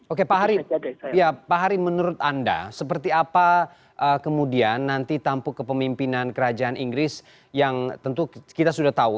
oke pak hari menurut anda seperti apa kemudian nanti tampuk kepemimpinan kerajaan inggris yang tentu kita sudah tahu